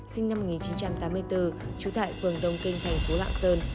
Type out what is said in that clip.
sinh năm một nghìn chín trăm tám mươi bốn trú tại phường đông kinh thành phố lạng sơn